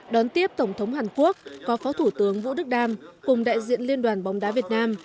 đón tiếp tổng thống hàn quốc có phó thủ tướng vũ đức đam cùng đại diện liên đoàn bóng đá việt nam